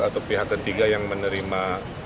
atau pihak ketiga yang menerima